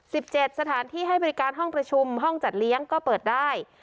สิบเจ็ดสถานที่ให้บริการห้องประชุมห้องจัดเลี้ยงก็เปิดได้